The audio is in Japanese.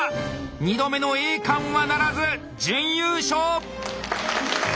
２度目の栄冠はならず準優勝！